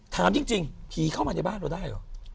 ถามจริงผีเข้ามาในบ้านเราได้เหรอ